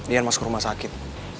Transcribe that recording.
ian masuk rumah sakit